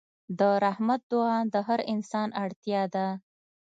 د رحمت دعا د هر انسان اړتیا ده.